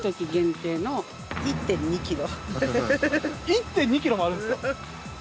１．２キロもあるんですか！？